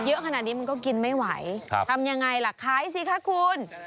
เยอะขนาดนี้มันก็กินไม่ไหวทำยังไงล่ะขายสิคะคุณ